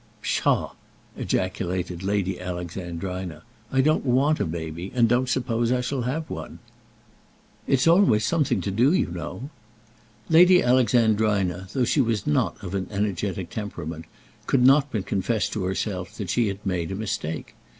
"Psha!" ejaculated Lady Alexandrina; "I don't want a baby, and don't suppose I shall have one." "It's always something to do, you know." Lady Alexandrina, though she was not of an energetic temperament, could not but confess to herself that she had made a mistake.